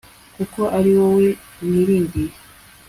kuko ari wowe niringiye